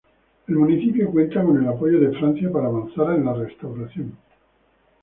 El municipio cuenta con el apoyo de Francia para avanzar en la restauración.